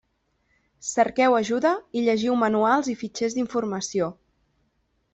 Cerqueu ajuda i llegiu manuals i fitxers d'informació.